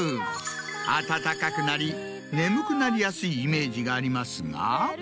暖かくなり眠くなりやすいイメージがありますが。